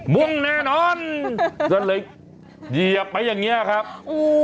ม่วงแน่นอนเจ้าหน้าที่เหยียบไปอย่างเงี้ยครับอุ้ย